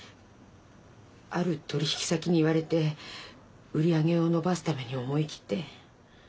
ある取引先に言われて売上を伸ばすために思い切って。